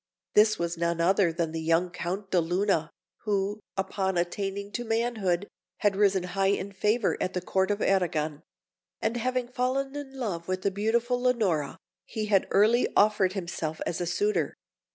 This was none other than the young Count de Luna, who, upon attaining to manhood, had risen high in favour at the Court of Arragon; and having fallen in love with the beautiful Leonora, he had early offered himself as a suitor.